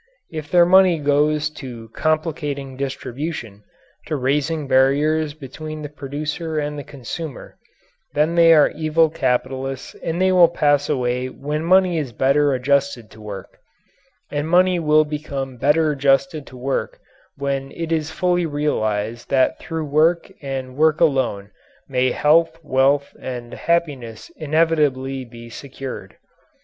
If their money goes to complicating distribution to raising barriers between the producer and the consumer then they are evil capitalists and they will pass away when money is better adjusted to work; and money will become better adjusted to work when it is fully realized that through work and work alone may health, wealth, and happiness inevitably be secured.